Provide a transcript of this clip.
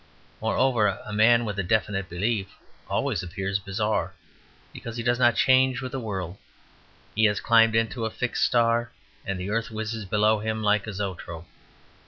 Moreover, a man with a definite belief always appears bizarre, because he does not change with the world; he has climbed into a fixed star, and the earth whizzes below him like a zoetrope.